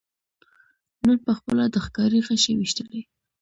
نن پخپله د ښکاري غشي ویشتلی